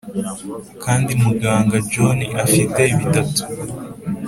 kandi muganga john afite bitatu